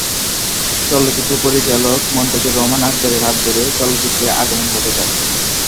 চলচ্চিত্র পরিচালক মনতাজুর রহমান আকবরের হাত ধরে চলচ্চিত্রে আগমন ঘটে তার।